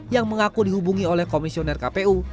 yang mengaku dihubungi oleh komisioner kpu